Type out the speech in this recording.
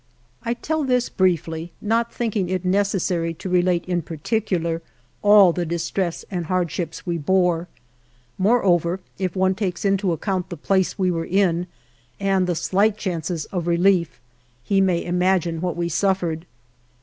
I tell this briefly, not thinking it necessary to relate in particular all the distress and hardships we bore. Moreover, if one takes into account the place we were in and the slight chances of relief he may imagine what we suffered.